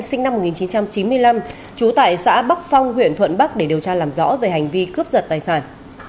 sinh năm một nghìn chín trăm chín mươi năm trú tại xã bắc phong huyện thuận bắc để điều tra làm rõ về hành vi cướp giật tài sản